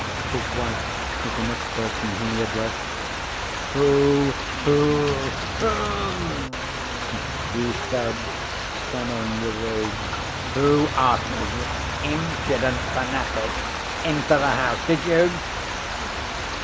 His wife was the next person whom he addressed. "Who—who—who," he said, stammering with rage, "who asked this impudent fanatic into the house? Did you?"